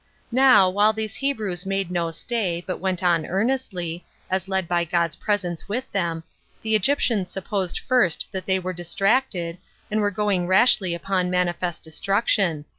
3. Now, while these Hebrews made no stay, but went on earnestly, as led by God's presence with them, the Egyptians supposed first that they were distracted, and were going rashly upon manifest destruction.